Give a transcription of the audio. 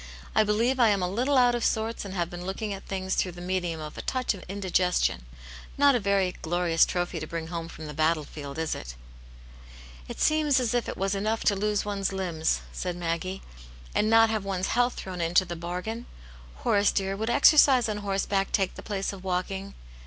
I believe I am a little out of sorts, and have been looking at things through the medium of a touch of indigestion. Not a very glorious trophy to bring home from the battle field, is it?" " It seems as if it was enough to lose one's limbs," said Maggie, and not have one's health thrown into rhe bargain. Horace, dear, would exercise oa horse back take the place of walking